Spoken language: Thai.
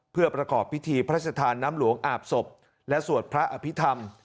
เพื่อประกอบพิธีพระชธานน้ำหลวงอาบศพและสวดพระอภิษฐรรม